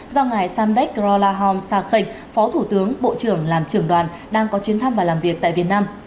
do ngài samdech rolahom sarkheng phó thủ tướng bộ trưởng làm trưởng đoàn đang có chuyến thăm và làm việc tại việt nam